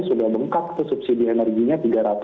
sudah bengkak tuh subsidi energinya